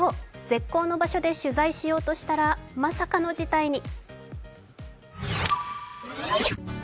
絶好の場所で取材しようとしたらまさかの事態に。